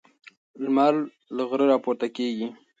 لمر له غره راپورته کیږي.